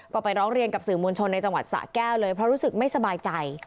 ก็ไปร้องเรียนกับสื่อมวลชนในจังหวัดสะแก้วเลยเพราะรู้สึกไม่สบายใจ